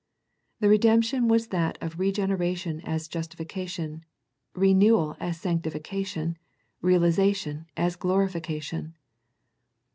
The redemption was that of re generation as justification, renewal as sancti fication, realization as glorification.